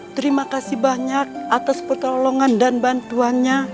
terima kasih banyak atas pertolongan dan bantuannya